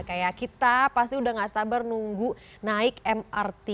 kayak kita pasti udah gak sabar nunggu naik mrt